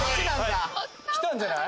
きたんじゃない？